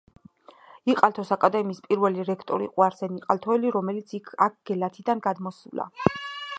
იყალთოს აკადემიის პირველი რექტორი იყო არსენ იყალთოელი, რომელიც აქ გელათიდან გადმოსულა.